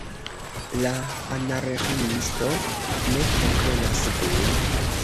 La Anarĥiisto ne komprenas vin.